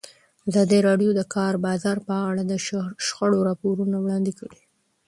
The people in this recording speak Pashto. ازادي راډیو د د کار بازار په اړه د شخړو راپورونه وړاندې کړي.